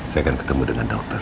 saya akan ketemu dengan dokter